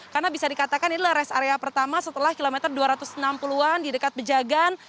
karena bisa dikatakan ini adalah rest area pertama setelah kilometer dua ratus enam puluh an di dekat bejagan